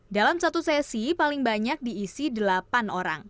dalam satu sesi paling banyak diisi delapan orang